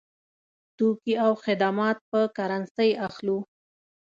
توکي او خدمات په کرنسۍ اخلو.